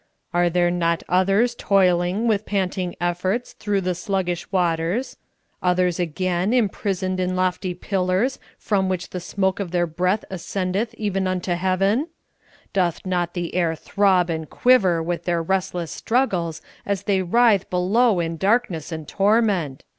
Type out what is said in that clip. Are there not others toiling, with panting efforts, through the sluggish waters; others again, imprisoned in lofty pillars, from which the smoke of their breath ascendeth even unto Heaven? Doth not the air throb and quiver with their restless struggles as they writhe below in darkness and torment?